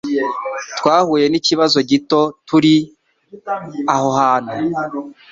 Twahuye nikibazo gito turi uo hantu.